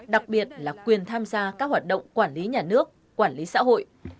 đặc biệt là quyền tham gia các hoạt động quản lý nhà nước quản lý xã hội